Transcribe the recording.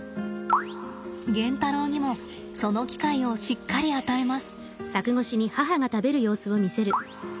ゲンタロウにもその機会をしっかり与えます。